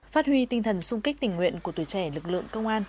phát huy tinh thần sung kích tình nguyện của tuổi trẻ lực lượng công an